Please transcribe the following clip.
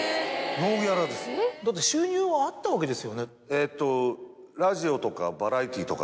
だって収入はあったわけですよね？